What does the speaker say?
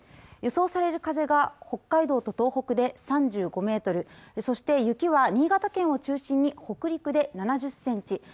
予想される風が北海道と東北で３５メートルそして雪は新潟県を中心に北陸で７０センチ